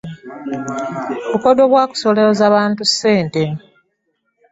Bukodyo bwa kusolooza bantu ssente.